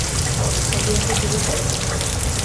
Табе гэта не трэба.